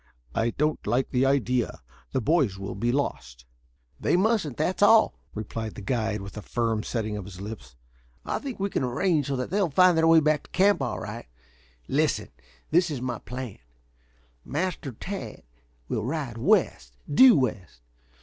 "I don't like the idea. The boys will be lost." "They mustn't, that's all," replied the guide, with a firm setting of the lips. "I think we can arrange so they will find their way back to camp all right. Listen! This is my plan. Master Tad will ride west, due west.